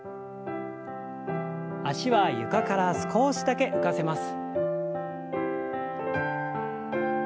脚は床から少しだけ浮かせます。